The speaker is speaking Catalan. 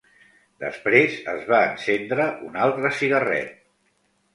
Després, es va encendre un altre cigarret.